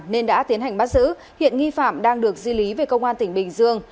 nên đã tiến hành bắt giữ hiện nghi phạm đang được di lý về công an tỉnh bình dương